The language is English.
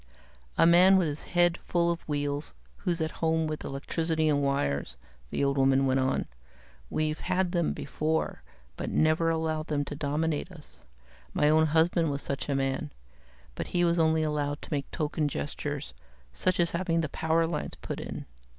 "A man with his head full of wheels, who's at home with electricity and wires," the old woman went on. "We've had them before, but never allowed them to dominate us. My own husband was such a man, but he was only allowed to make token gestures, such as having the power lines put in.